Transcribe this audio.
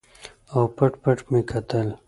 او پټ پټ مې کتل.